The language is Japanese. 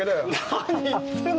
何言ってんの！